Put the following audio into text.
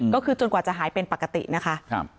ก็คือจนกว่าจะหายเป็นปกตินะคะ